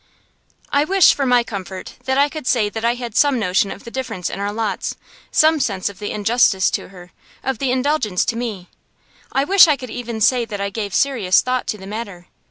I wish, for my comfort, that I could say that I had some notion of the difference in our lots, some sense of the injustice to her, of the indulgence to me. I wish I could even say that I gave serious thought to the matter.